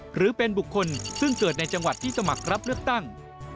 หรือเป็นบุคคลซึ่งเกิดในจังหวัดที่สมัครรับเลือกตั้ง